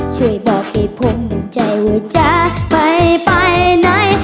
ช่วยบอกให้ผมใจว่าจะไปไปไหน